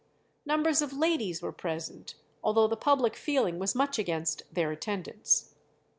Numbers of ladies were present, although the public feeling was much against their attendance.